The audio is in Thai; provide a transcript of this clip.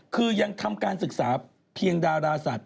คือยังทำการศึกษาเพียงดาราสัตว